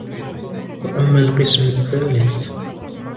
وَأَمَّا الْقِسْمُ الثَّالِثُ